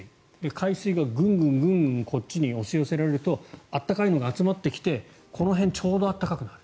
海水がぐんぐんこっちに押し寄せられると暖かいのが集まってきてこの辺、ちょうど暖かくなる。